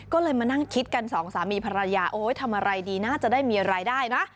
ก็เลยมานั่งคิดกันสองสามีภรรยาโอ๊ยทำอะไรดีน่าจะได้มีรายได้นะ